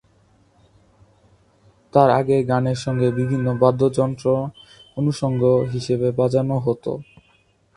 তার আগে গানের সঙ্গে বিভিন্ন বাদ্যযন্ত্র অনুষঙ্গ হিসেবে বাজানো হতো।